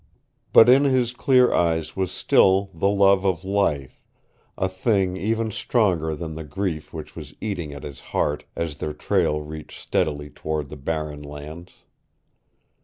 But in his clear eyes was still the love of life a thing even stronger than the grief which was eating at his heart as their trail reached steadily toward the Barren Lands.